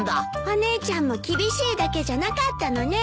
お姉ちゃんも厳しいだけじゃなかったのね。